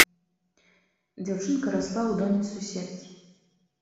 Дзяўчынка расла ў доме суседкі.